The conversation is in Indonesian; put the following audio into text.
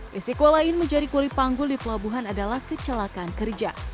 risiko lain menjadi kuli panggul di pelabuhan adalah kecelakaan kerja